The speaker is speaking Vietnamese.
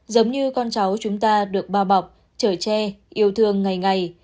giống như con cháu chúng ta được bao bọc trời tre yêu thương ngày ngày